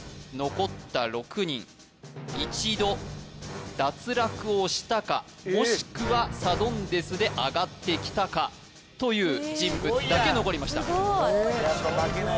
残った６人一度脱落をしたかもしくはサドンデスで上がってきたかという人物だけ残りました・すごい！